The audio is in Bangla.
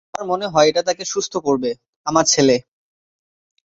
আমার মনে হয় এটা তাকে সুস্থ করবে, আমার ছেলে।